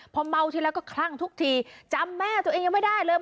พอเมาทีแล้วก็คลั่งทุกทีจำแม่ตัวเองยังไม่ได้เลย